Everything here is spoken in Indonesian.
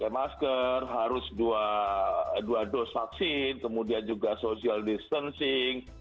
masker harus dua dos vaksin kemudian juga social distancing